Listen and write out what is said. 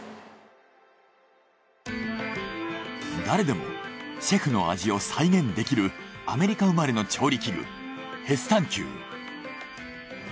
誰でもシェフの味を再現できるアメリカ生まれの調理器具ヘスタンキュー。